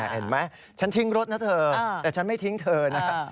เห็นไหมฉันทิ้งรถนะเธอแต่ฉันไม่ทิ้งเธอนะ